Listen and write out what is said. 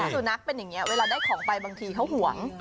สุนัขเป็นอย่างนี้เวลาได้ของไปบางทีเขาห่วง